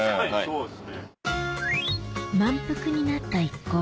そうです。